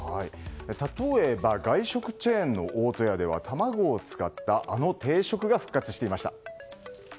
例えば外食チェーンの大戸屋では卵を使ったあの定食が復活していました。